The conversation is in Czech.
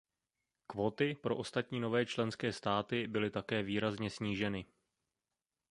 Kvóty pro ostatní nové členské státy byly také výrazně sníženy.